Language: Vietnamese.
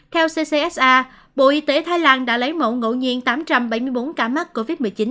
theo ccsa bộ y tế thái lan đã lấy mẫu ngẫu nhiên tám trăm bảy mươi bốn ca mắc covid một mươi chín